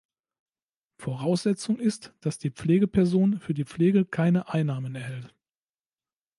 Voraussetzung ist, dass die Pflegeperson für die Pflege keine Einnahmen erhält.